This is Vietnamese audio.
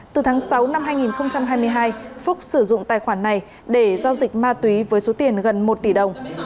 từ tháng sáu năm hai nghìn hai mươi hai phúc sử dụng tài khoản này để giao dịch ma túy với số tiền gần một tỷ đồng